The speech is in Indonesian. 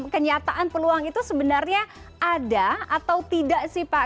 kenyataan peluang itu sebenarnya ada atau tidak sih pak